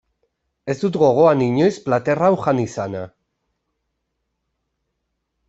Ez dut gogoan inoiz plater hau jan izana.